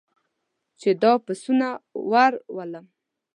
چې دا پسونه ور ولم.